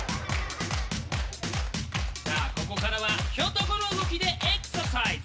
さあここからはひょと子の動きでエクササイズ！